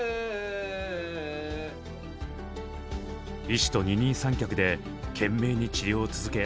医師と二人三脚で懸命に治療を続け